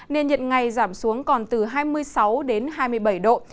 nên nhiệt ngày giảm xuống còn từ hai mươi sáu đến hai mươi bảy độ